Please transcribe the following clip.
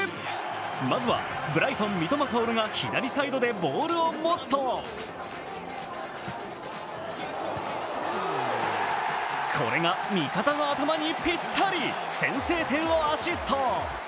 まずは、ブライトン・三笘薫が左サイドでボールを持つとこれが味方の頭にぴったり、先制点をアシスト。